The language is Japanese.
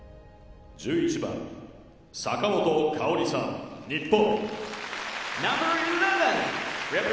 「１１番坂本花織さん日本」。